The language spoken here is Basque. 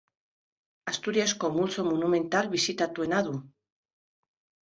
Asturiasko multzo monumental bisitatuena du.